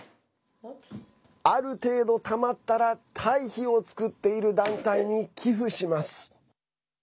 ある程度たまったら堆肥を作っている団体に寄付します。